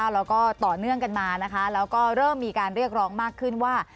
แล้วก็ต่อเนื่องกันมานะคะแล้วก็เริ่มมีการเรียกร้องมากขึ้นว่า